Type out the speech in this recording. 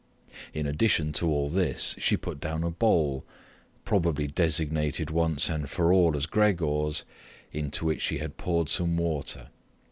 In addition to all this, she put down a bowl—probably designated once and for all as Gregor's—into which she had poured some water.